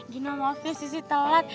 gini mah waktunya sissy telat